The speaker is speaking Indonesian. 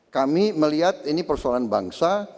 kami melihat ini persoalan bangsa